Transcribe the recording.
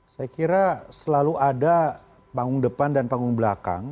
saya kira selalu ada panggung depan dan panggung belakang